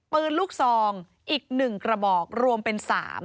ปืนลูกซองอีก๑กระบอกรวมเป็น๓